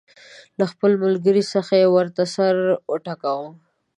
له خپل ملګري څخه یې ورته سر وټکاوه.